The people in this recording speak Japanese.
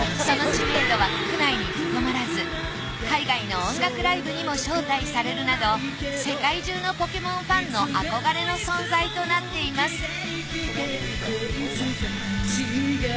その知名度は国内に留まらず海外の音楽ライブにも招待されるなど世界中の「ポケモン」ファンの憧れの存在となっています